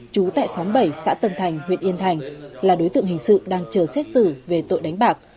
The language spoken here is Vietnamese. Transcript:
trú tại xóm bảy xã tân thành huyện yên thành là đối tượng hình sự đang chờ xét xử về tội đánh bạc